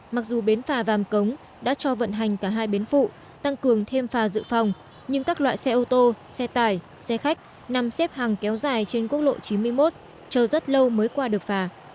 mặc dù bến phà vàm cống đã cho vận hành cả hai bến phụ tăng cường thêm phà dự phòng nhưng các loại xe ô tô xe tải xe khách nằm xếp hàng kéo dài trên quốc lộ chín mươi một chờ rất lâu mới qua được phà